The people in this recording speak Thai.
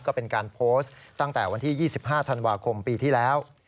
ก็เป็นการโพสต์ตั้งแต่วันที่๒๕ธันวาคมปีที่แล้ว